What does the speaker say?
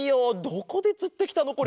どこでつってきたのこれ？